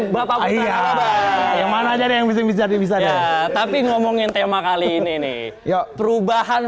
bapak iya yang mana jadi yang bisa dibisa tapi ngomongin tema kali ini nih perubahan